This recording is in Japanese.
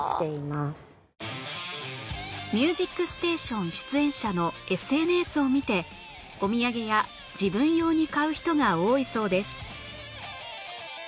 『ミュージックステーション』出演者の ＳＮＳ を見てお土産や自分用に買う人が多いそうです